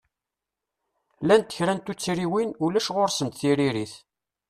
Llant kra n tuttriwin ulac ɣur-sent tiririt.